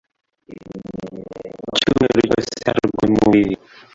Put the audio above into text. icyumweru cyose arwaye mu buriri